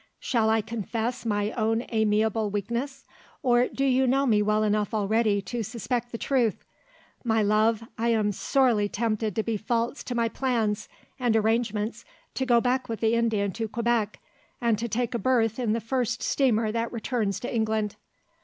Shall I confess my own amiable weakness? or do you know me well enough already to suspect the truth? My love, I am sorely tempted to be false to my plans and arrangements to go back with the Indian to Quebec and to take a berth in the first steamer that returns to England.